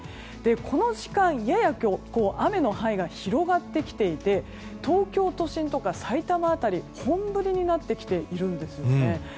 この時間、やや雨の範囲が広がってきていて東京都心とかさいたま辺り本降りになってきているんですよね。